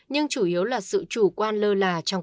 nhưng chủ yếu là sự chủ quan lơ là trong công tác phòng chống